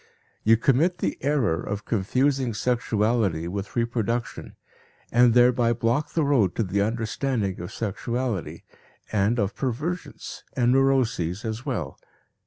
You commit the error of confusing sexuality with reproduction and thereby block the road to the understanding of sexuality, and of perversions and neuroses as well.